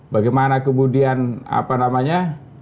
bagaimana kemudian apa namanya